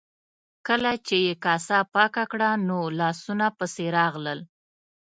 کله چې یې کاسه پاکه کړه نو لاسونو پسې راغلل.